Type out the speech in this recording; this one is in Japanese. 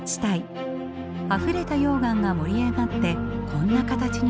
あふれた溶岩が盛り上がってこんな形になったそうです。